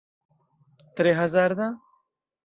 Tre hazarda?